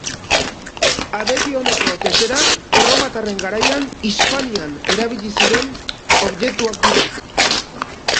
Abegi oneko teserak Erromatarren garaian Hispanian erabili ziren objektuak dira